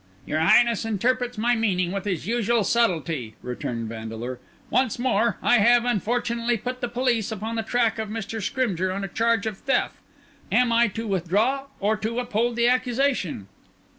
"Your Highness interprets my meaning with his usual subtlety," returned Vandeleur. "Once more: I have, unfortunately, put the police upon the track of Mr. Scrymgeour on a charge of theft; am I to withdraw or to uphold the accusation?"